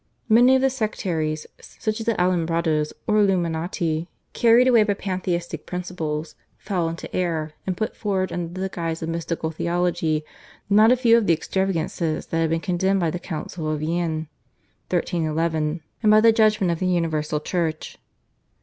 Many of the sectaries, such as the Alumbrados or Illuminati, carried away by pantheistic principles, fell into error, and put forward under the guise of mystical theology not a few of the extravagances that had been condemned by the Council of Vienne (1311) and by the judgment of the universal Church.